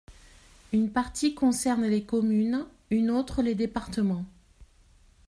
Une partie concerne les communes, une autre les départements.